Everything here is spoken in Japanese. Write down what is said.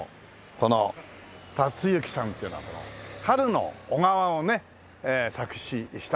この辰之さんっていうのは『春の小川』をね作詞した人なんです。